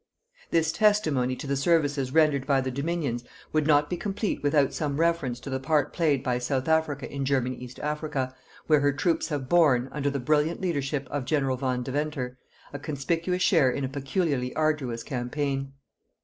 This testimony to the services rendered by the Dominions would not be complete without some reference to the part played by South Africa in German East Africa, where her troops have borne, under the brilliant leadership of General Van Deventer, a conspicuous share in a peculiarly arduous campaign.